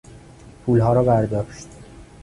پولها را ورداشت.